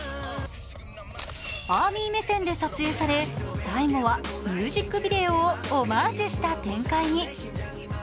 ＡＲＭＹ目線で撮影され最後はミュージックビデオをオマージュした展開に。